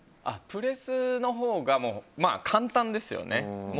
プレスのほうが簡単ですね。